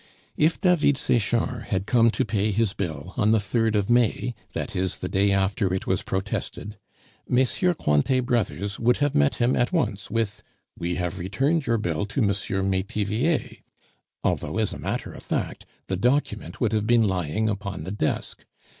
If David Sechard had come to pay his bill on the 3rd of May, that is, the day after it was protested, MM. Cointet Brothers would have met him at once with, "We have returned your bill to M. Metivier," although, as a matter of fact, the document would have been lying upon the desk.